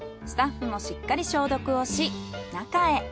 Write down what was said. スタッフもしっかり消毒をし中へ。